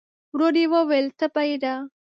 ورو يې وویل: تبه يې ده؟